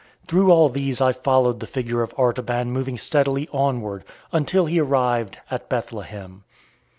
Through all these I followed the figure of Artaban moving steadily onward, until he arrived at Bethlehem.